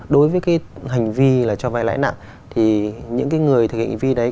đối với cái hành vi cho vai lãi nặng thì những người thực hiện hành vi đấy